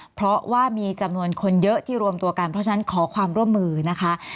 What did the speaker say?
เพราะว่ามีจำนวนคนเยอะที่รวมตัวกันเพราะฉะนั้นขอความร่วมมือนะคะ